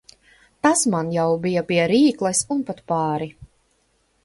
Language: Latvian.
Tas man jau bija pie rīkles un pat pāri.